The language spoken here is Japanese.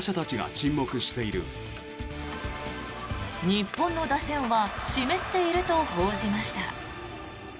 日本の打線は湿っていると報じました。